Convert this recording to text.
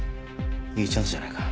いいチャンスじゃないか。